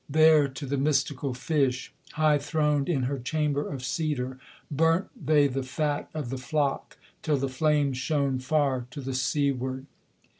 There to the mystical fish, high throned in her chamber of cedar, Burnt they the fat of the flock; till the flame shone far to the seaward.